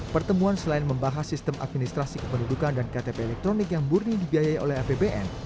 pertemuan selain membahas sistem administrasi kependudukan dan ktp elektronik yang murni dibiayai oleh apbn